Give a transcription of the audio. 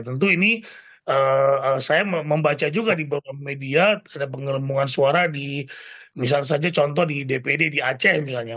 tentu ini saya membaca juga di media ada pengelombongan suara misalnya contoh di dpd di aceh misalnya